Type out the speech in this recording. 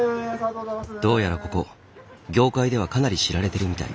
どうやらここ業界ではかなり知られてるみたい。